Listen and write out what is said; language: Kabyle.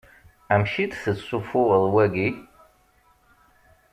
Amek i d-tessuffuɣeḍ wagi?